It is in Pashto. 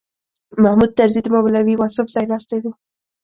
محمود طرزي د مولوي واصف ځایناستی و.